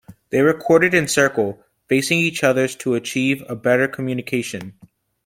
They recorded in circle, facing each other's to achieve a better communication.